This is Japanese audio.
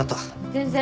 全然。